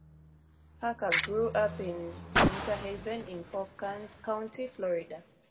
Parker grew up in Winter Haven in Polk County, Florida.